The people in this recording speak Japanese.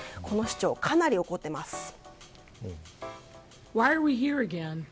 この市長、かなり怒ってます。